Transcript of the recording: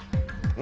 何？